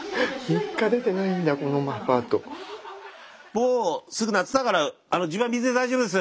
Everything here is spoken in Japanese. もうすぐ夏だから自分は水で大丈夫です。